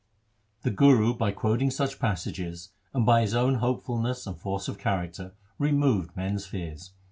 1 The Guru by quoting such passages and by his own hopefulness and force of character removed men's fears.